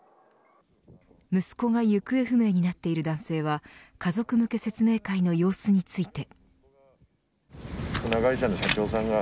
息子が行方不明になっている男性は家族向け説明会の様子について。